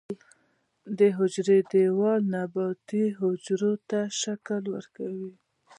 د حجرې دیوال نباتي حجرو ته شکل ورکوي